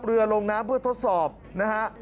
ลงน้ำเพื่อทดสอบนะฮะ